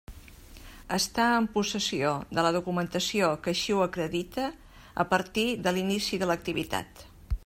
Estar en possessió de la documentació que així ho acredite a partir de l'inici de l'activitat.